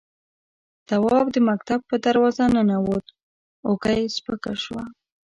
تواب د مکتب په دروازه ننوت، اوږه يې سپکه شوه.